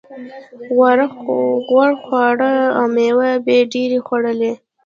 غوړ خواړه او مېوې یې ډېرې خوړلې.